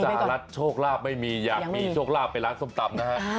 สหรัฐโชคลาภไม่มีอยากมีโชคลาภไปร้านส้มตำนะฮะ